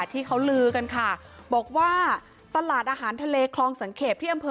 ที่เขาลือกันค่ะบอกว่าตลาดอาหารทะเลคลองสังเกตที่อำเภอ